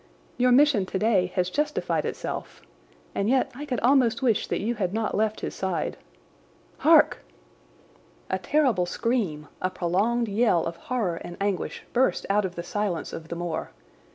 Your mission today has justified itself, and yet I could almost wish that you had not left his side. Hark!" A terrible scream—a prolonged yell of horror and anguish—burst out of the silence of the moor.